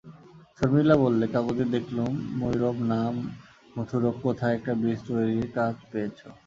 শর্মিলা বললে, কাগজে দেখলুম ময়ুরভ না মথুরগ কোথায় একটা ব্রিজ তৈরির কাজ পেয়েছ।